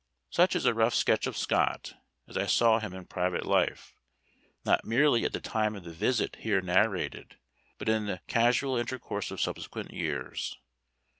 Such is a rough sketch of Scott, as I saw him in private life, not merely at the time of the visit here narrated, but in the casual intercourse of subsequent years.